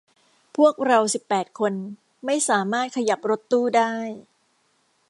พวกเราสิบแปดคนไม่สามารถขยับรถตู้ได้